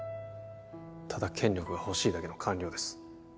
ただ権力が欲しいだけの官僚です